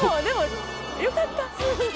でもよかった！